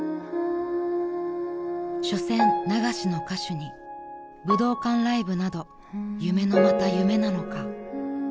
［しょせん流しの歌手に武道館ライブなど夢のまた夢なのか］